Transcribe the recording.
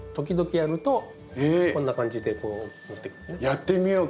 やってみよう。